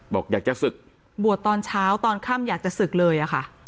บอกอยากจะศึกบวชตอนเช้าตอนค่ำอยากจะศึกเลยอะค่ะ